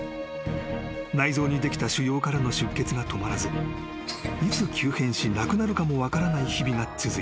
［内臓にできた腫瘍からの出血が止まらずいつ急変し亡くなるかも分からない日々が続いた］